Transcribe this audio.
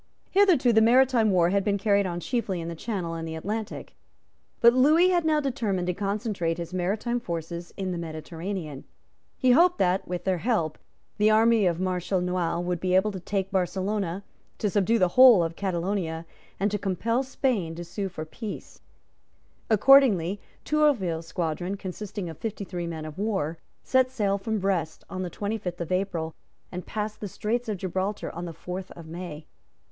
Hitherto the maritime war had been carried on chiefly in the Channel and the Atlantic. But Lewis had now determined to concentrate his maritime forces in the Mediterranean. He hoped that, with their help, the army of Marshal Noailles would be able to take Barcelona, to subdue the whole of Catalonia, and to compel Spain to sue for peace. Accordingly, Tourville's squadron, consisting of fifty three men of war, set sail from Brest on the twenty fifth of April and passed the Straits of Gibraltar on the fourth of May.